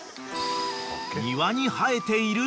［庭に生えている］